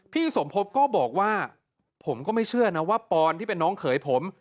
สมพบก็บอกว่าผมก็ไม่เชื่อนะว่าปอนที่เป็นน้องเขยผม